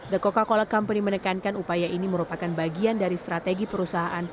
the coca cola company menekankan upaya ini merupakan bagian dari strategi perusahaan